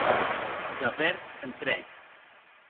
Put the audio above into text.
Javert entrèc.